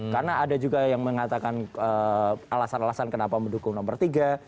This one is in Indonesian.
karena ada juga yang mengatakan alasan alasan kenapa mendukung nomor tiga